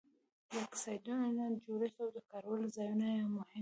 د اکسایډونو جوړښت او د کارولو ځایونه یې مهم دي.